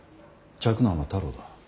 嫡男は太郎だ。